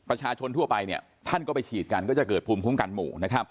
ประชาชนทั่วไปท่านก็ไปฉีดกันก็จะเกิดภูมิคุ้มกันหมู่